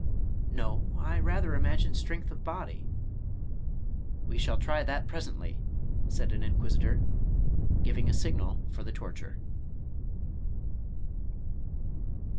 — "No, I rather imagine strength of body." " We shall try that presently," said an Inquisitor, giving a signal for the torture.